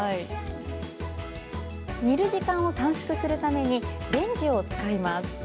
煮る時間を短縮するためにレンジを使います。